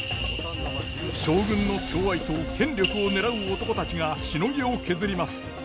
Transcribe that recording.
将軍の寵愛と権力を狙う男たちがしのぎを削ります。